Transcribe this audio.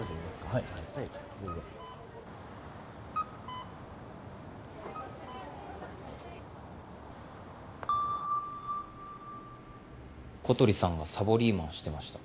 はいどうぞ小鳥さんがサボリーマンしてました